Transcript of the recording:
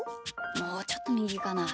もうちょっとみぎかな。